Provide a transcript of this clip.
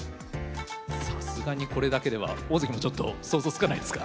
さすがにこれだけでは大関もちょっと想像つかないですか？